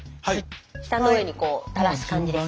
舌の上にこうたらす感じです。